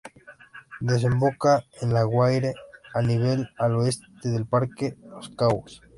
Desemboca en el Guaire a nivel al oeste del Parque Los Caobos.